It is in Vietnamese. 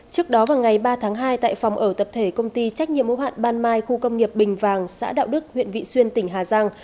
trước đó vào ngày ba tháng hai tại phòng ở tập thể công ty trách nhiệm mẫu hạn ban mai khu công nghiệp bình vàng xã đạo đức huyện vị xuyên tỉnh hà giang